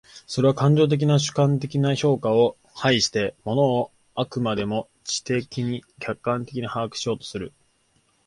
それは感情的な主観的な評価を排して、物を飽くまでも知的に客観的に把握しようとする。